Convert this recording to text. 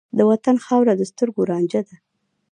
د وطن خاوره د سترګو رانجه ده.